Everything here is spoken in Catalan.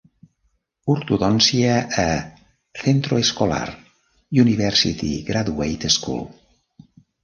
Ortodòncia a Centro Escolar University Graduate School.